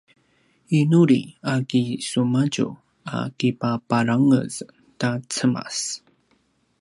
’inuli a kisumadju a kipaparangez ta cemas